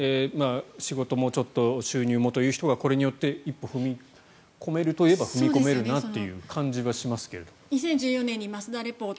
仕事もちょっと収入もという方がこれによって一歩踏み込めるといえば踏み込めるなという感じはしますけど。